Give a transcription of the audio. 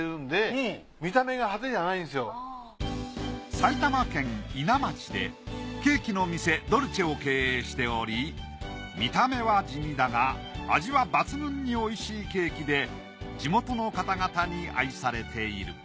埼玉県伊奈町でケーキの店ドルチェを経営しており見た目は地味だが味は抜群においしいケーキで地元の方々に愛されている。